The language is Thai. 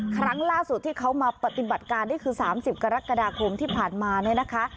ครั้งล่าสุดที่เขามาปฏิบัติการนี่คือ๓๐กรกฎาคมที่ผ่านมาเนี่ยนะคะ